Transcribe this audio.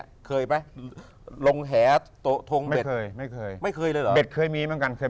ครับเคยไหมลงแห้โทลงเย็นไม่เคยไม่เคยไม่เคยเลย